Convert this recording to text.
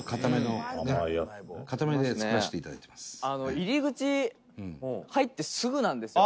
入り口、入ってすぐなんですよ。